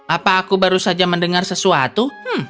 apa aku baru saja mendengar sesuatu